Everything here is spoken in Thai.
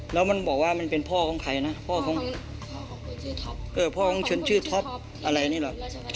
แล้วมันบอกว่ามันเป็นพ่อของใครนะพ่อของพ่อของชนชื่อท็อปอะไรนี่แหละ